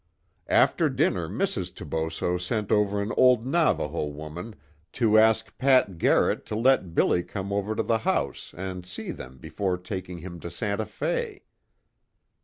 "After dinner Mrs. Toboso sent over an old Navajo woman to ask Pat Garrett to let 'Billy' come over to the house and see them before taking him to Santa Fe.